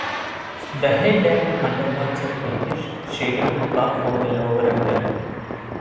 The head and underparts are pinkish, shading to buff on the lower abdomen.